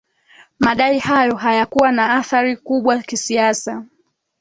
madai hayo hayakuwa na athari kubwa kisiasa